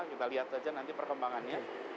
kita lihat saja nanti perkembangannya